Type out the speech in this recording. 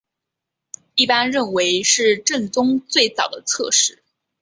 一般认为是政宗最早的侧室。